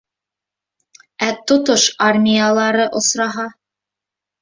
Ә тотош армиялары осраһа?